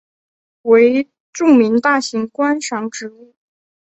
为著名大型观赏植物。